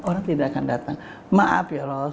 orang tidak akan datang maaf ya rasulullah